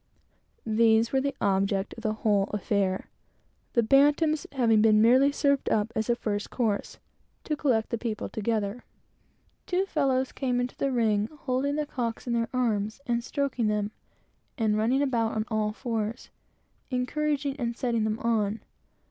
These were the object of the whole affair; the two bantams having been merely served up as a first course, to collect the people together. Two fellows came into the ring holding the cocks in their arms, and stroking them, and running about on all fours, encouraging and setting them on.